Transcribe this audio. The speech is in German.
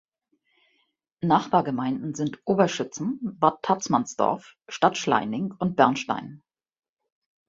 Nachbargemeinden sind Oberschützen, Bad Tatzmannsdorf, Stadtschlaining und Bernstein.